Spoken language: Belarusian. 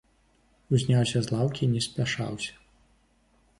Узняўся з лаўкі і не спяшаўся.